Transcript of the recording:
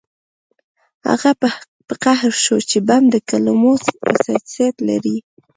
هغه په قهر شو چې بم د کلمو حساسیت لري